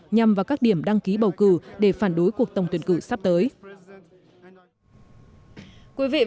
nhằm vào các điểm đăng ký bầu cử để phản đối cuộc tổng tuyển cử sắp tới